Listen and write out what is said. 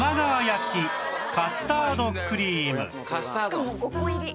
「しかも５個入り」